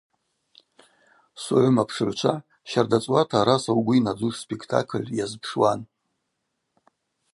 Согъвым апшыгӏвчва щарда цӏуата араса угвы йнадзуш спектакль йазпшуан.